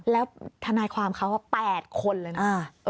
แล้วทนายความเขา๘คนเลยนะ